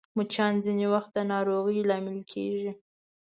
مچان ځینې وخت د ناروغۍ لامل کېږي